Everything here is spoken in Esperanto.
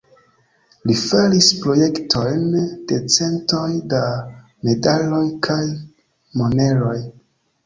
Li faris projektojn de centoj da medaloj kaj moneroj.